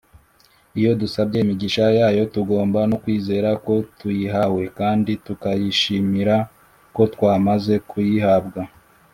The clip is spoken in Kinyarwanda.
Iyo dusabye imigisha yayo, tugomba no kwizera ko tuyihawe, kandi tukayishimira ko twamaze kuyihabwa.